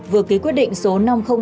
vừa ký quyết định số năm trăm linh năm